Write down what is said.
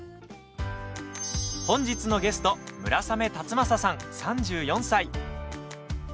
本日のゲスト村雨辰剛さん、３４歳。